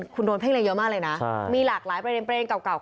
คุณโดนเพ่งเล็งเยอะมากเลยนะมีหลากหลายประเด็นเก่า